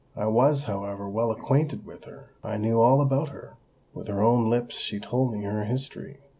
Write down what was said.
"I was, however, well acquainted with her—I knew all about her. With her own lips she told me her history.